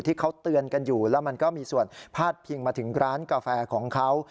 ที่เขาเตือนกันอยู่แล้วมันก็มีส่วนพาดพิงมาถึงร้านกาแฟของเขา